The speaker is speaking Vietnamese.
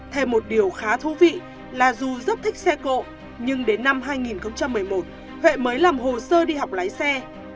thêm một điều khá thú vị là dù rất thích xe cộ nhưng đến năm hai nghìn một mươi một huệ mới làm hồ sơ đi học lái xe